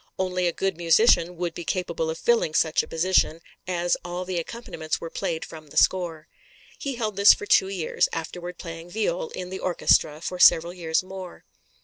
Only a good musician would be capable of filling such a position, as all the accompaniments were played from the score. He held this for two years, afterward playing viol in the orchestra for several years more.